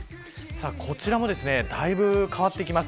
こちらもだいぶ変わってきます。